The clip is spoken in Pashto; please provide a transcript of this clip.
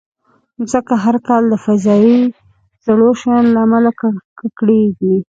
مځکه هر کال د فضایي زړو شیانو له امله ککړېږي.